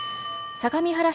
相模原市